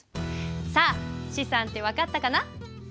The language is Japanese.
さあ資産って分かったかな？